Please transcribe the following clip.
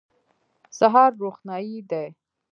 سهار روښنايي دی.